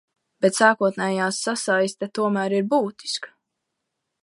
Bet sākotnējā sasaiste tomēr ir būtiska.